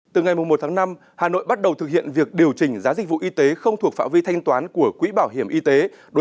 từ ngày một tháng năm hà nội bắt đầu thực hiện việc điều chỉnh giá dịch vụ y tế không thuộc phạm vi thanh toán của quỹ bảo hiểm y tế